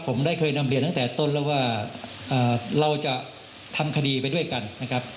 ผมได้เคยนำเรียนตั้งแต่ต้นแล้วว่าเราจะทำคดีไปด้วยกันนะครับ